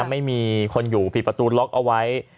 ไม่มีคนอยู่ปิดประตูล็อกเอาไว้